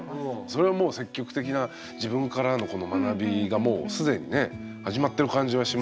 それはもう積極的な自分からのこの学びがもう既にね始まってる感じはしますよね。